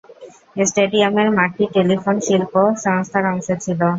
স্টেডিয়ামের মাঠটি টেলিফোন শিল্প সংস্থার অংশ ছিল।